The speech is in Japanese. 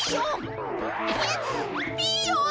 ピーヨン！